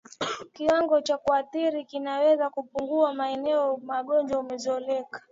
Kiwango cha kuathiri kinaweza kupungua maeneo ugonjwa umezoeleka